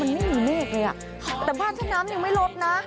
มันไม่มีเมฆเลยอ่ะแต่บ้านถ้าน้ำยังไม่ลดนะ